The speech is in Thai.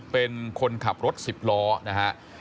เป็นคนขับรถ๑๐ล้อนะฮะ